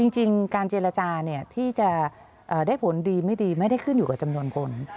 จริงการเจรจาที่จะได้ผลดีไม่ดีไม่ได้ขึ้นอยู่กับจำนวนคน